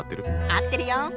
合ってるよ！